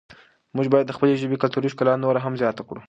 موږ باید د خپلې ژبې کلتوري ښکلا نوره هم زیاته کړو.